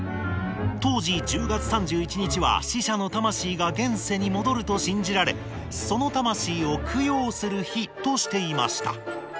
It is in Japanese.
当時１０月３１日は死者の魂が現世に戻ると信じられその魂を供養する日としていました。